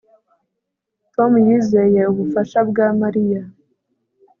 Tom yizeye ubufasha bwa Mariya